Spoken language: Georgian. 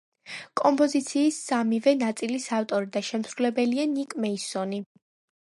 კომპოზიციის სამივე ნაწილის ავტორი და შემსრულებელია ნიკ მეისონი.